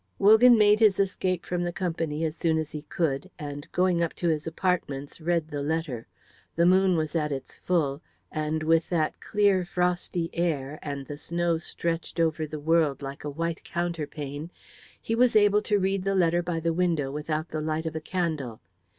Wogan made his escape from the company as soon as he could, and going up to his apartments read the letter. The moon was at its full, and what with the clear, frosty air, and the snow stretched over the world like a white counterpane, he was able to read the letter by the window without the light of a candle.